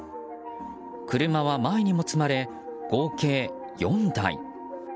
車は前にも積まれ、合計４台。